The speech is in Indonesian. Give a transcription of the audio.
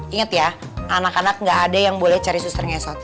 ingat ya anak anak gak ada yang boleh cari suster ngesot